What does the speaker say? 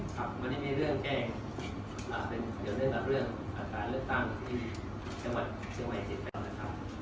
ครับวันนี้มีเรื่องแกล้งอ่าเป็นเดี๋ยวเรื่องกับเรื่องอัตรายเลือดตั้งที่จังหวัดเชียวใหม่สิทธิ์เป็นนะครับ